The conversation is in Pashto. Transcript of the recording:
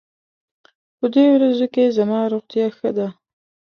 په دې ورځو کې زما روغتيا ښه ده.